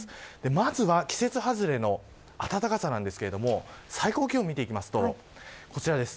まずは季節外れの暖かさですが最高気温を見てみるとこちらです。